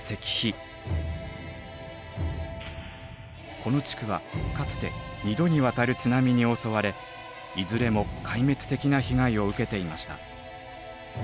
この地区はかつて２度にわたる津波に襲われいずれも壊滅的な被害を受けていました。